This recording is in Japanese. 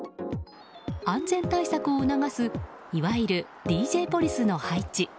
安全対策を促すいわゆるＤＪポリスの配置。